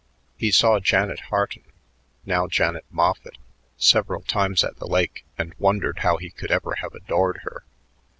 He saw Janet Harton, now Janet Moffitt, several times at the lake and wondered how he could ever have adored her.